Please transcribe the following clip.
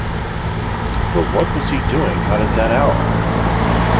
But what was he doing out at that hour?